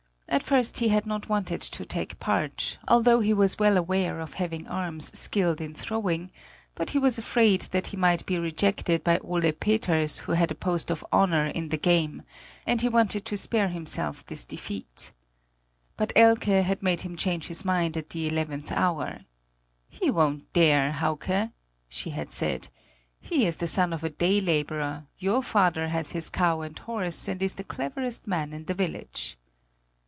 At first he had not wanted to take part, although he was well aware of having arms skilled in throwing; but he was afraid that he might be rejected by Ole Peters who had a post of honor in the game, and he wanted to spare himself this defeat. But Elke had made him change his mind at the eleventh hour. "He won't dare, Hauke," she had said; "he is the son of a day laborer; your father has his cow and horse and is the cleverest man in the village."